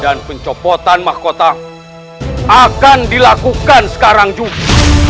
dan pencopotan mahkota akan dilakukan sekarang juga